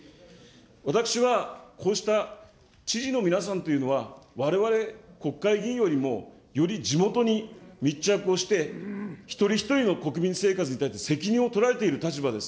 私は、こうした知事の皆さんというのは、われわれ国会議員よりもより地元に密着をして、一人一人の国民生活に対して責任を取られている立場です。